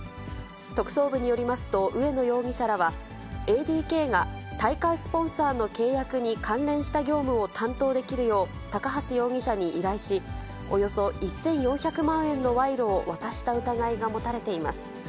特捜部によりますと植野容疑者らは、ＡＤＫが大会スポンサーの契約に関連した業務を担当できるよう、高橋容疑者に依頼し、およそ１４００万円の賄賂を渡した疑いが持たれています。